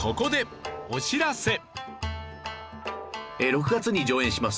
６月に上演します